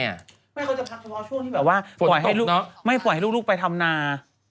แม่จะพักเฉพาะเป็นช่วงไม่ปล่อยให้ลูกไปทำนา